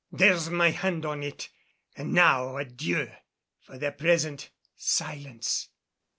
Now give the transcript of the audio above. There's my hand on it. And now adieu and for the present silence!"